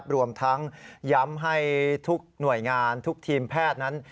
รวมทั้งย้ำให้ทุกหน่วยงานทุกทีมแพทย์นั้น